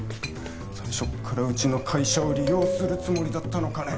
最初っからうちの会社を利用するつもりだったのかね